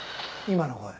今の声